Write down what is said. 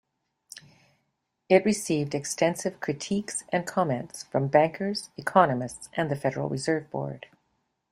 It received extensive critiques and comments from bankers, economists, and the Federal Reserve Board.